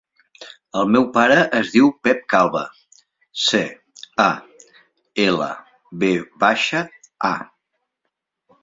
El meu pare es diu Pep Calva: ce, a, ela, ve baixa, a.